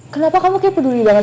kenapa kamu kayak peduli banget